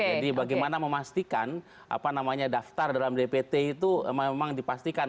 jadi bagaimana memastikan daftar dalam dpt itu memang dipastikan